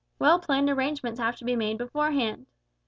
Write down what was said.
Well planned arrangements have to be made beforehand.